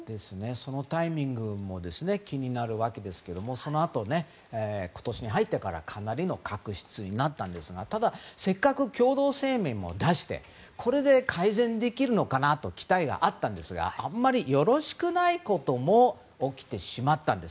そのタイミングも気になるわけですけどそのあと、今年に入ってからかなりの確執になったんですがただ、せっかく共同声明も出してこれで改善できるのかと期待があったんですがあまりよろしくないことも起きてしまったんです。